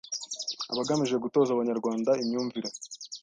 bagamije gutoza Abanyarwanda imyumvire